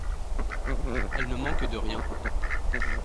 Elle ne manque de rien.